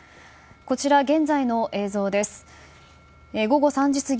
こちら、現在の映像です。